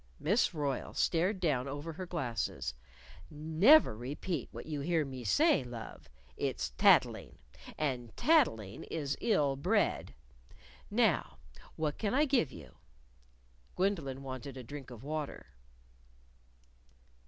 Miss Royle stared down over her glasses. "Never repeat what you hear me say, love. It's tattling, and tattling is ill bred. Now, what can I give you?" Gwendolyn wanted a drink of water.